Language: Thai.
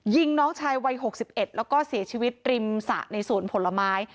ยิงน้องชายวัยหกสิบเอ็ดแล้วก็เสียชีวิตริมศะในศูนย์ผลไม้